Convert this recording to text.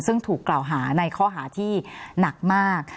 ซึ่งถูกกล่าวหาในข้อหาที่หนักมาก